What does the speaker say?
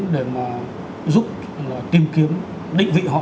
để mà giúp tìm kiếm định vị họ